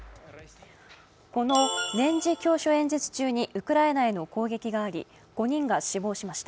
この年次教書演説中にウクライナへの攻撃があり５人が死亡しました。